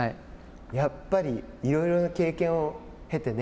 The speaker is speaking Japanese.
やっぱりいろいろな経験を経てね